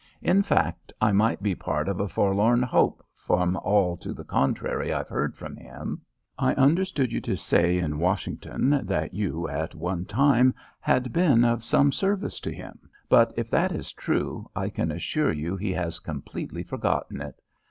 In fact, I might be part of a forlorn hope from all to the contrary I've heard from him. I understood you to say in Washington that you at one time had been of some service to him, but if that is true I can assure you he has completely forgotten it.